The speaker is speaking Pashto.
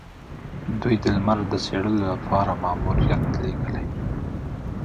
دوی د لمر د څیړلو لپاره ماموریت لیږلی.